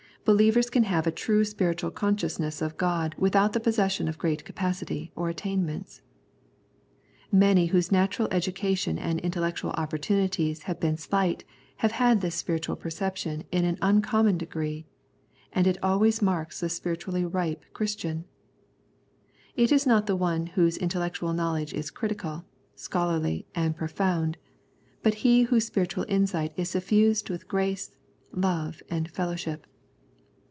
Believers can have a true spiritual consciousness of God without the possession of great capacity or attainments. Many whose natural education and intellectual opportunities have been slight have had this spiritual perception in an uncommon degree, and it always marks the spiritually ripe Christian. It is not the one whose intellectual knowledge is critical, scholarly, and profound, but he whose spiritual insight is suffused with grace, love, and fellow ship.